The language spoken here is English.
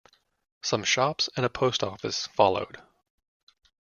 Some shops and a post office followed.